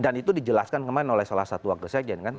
dan itu dijelaskan kemarin oleh salah satu wakil sekjen